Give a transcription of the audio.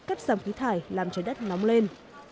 cắt giảm khí thải làm trái đất nóng lên